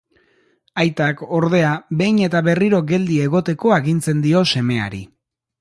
Aitak, ordea, behin eta berriro geldi egoteko agintzen dio semeari.